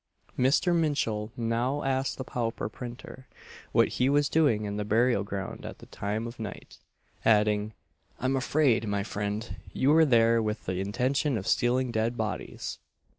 Mr. Minshull now asked the pauper printer what he was doing in the burial ground at that time of night; adding, "I am afraid, my friend, you were there with the intention of stealing dead bodies."